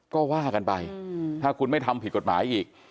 ก็ว่ากันไปถ้าคุณไม่ทำผิดกฎหมายอีก